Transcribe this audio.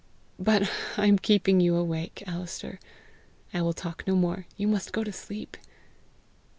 But I am keeping you awake, Alister! I will talk no more. You must go to sleep!"